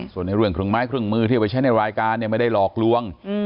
ส่วนในเรื่องเครื่องไม้เครื่องมือที่เอาไปใช้ในรายการเนี่ยไม่ได้หลอกลวง